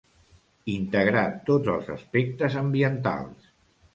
Integrar tots els aspectes ambientals.